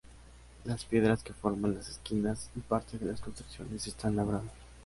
Las piedras que forman las esquinas y parte de las construcciones están labradas.